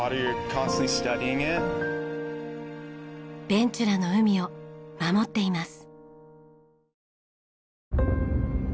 ベンチュラの海を守っています。